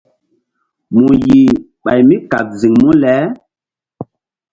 Mu yih ɓay mí kaɓ ziŋ mu le?